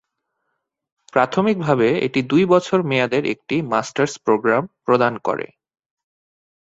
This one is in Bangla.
প্রাথমিকভাবে, এটি দুই বছর মেয়াদের একটি মাস্টার্স প্রোগ্রাম প্রদান করে।